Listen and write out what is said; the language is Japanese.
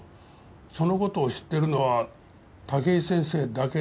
その事を知っているのは武井先生だけでした？